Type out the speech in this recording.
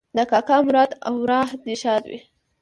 د کاکا مراد اوراح دې ښاده وي